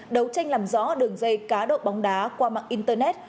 đấu tranh làm rõ đường dây cá độ bóng đá qua mạng internet